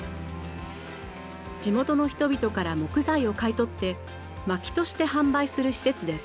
地元の人々から木材を買い取って薪として販売する施設です。